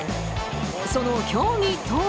その競技とは。